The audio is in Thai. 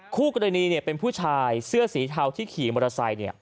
คู่กรณีเนี่ยเป็นผู้ชายเสื้อสีเทาที่ขี่มอเตอร์ไซต์เนี่ย